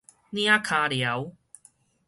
嶺腳寮